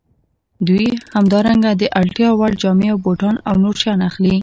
دوی همدارنګه د اړتیا وړ جامې او بوټان او نور شیان اخلي